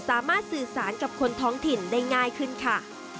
สามารถสื่อสารกับคนท้องถิ่นได้ง่ายขึ้นค่ะ